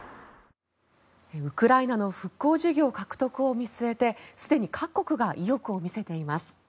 ウクライナの復興事業獲得を見据えてすでに各国が意欲を見せています。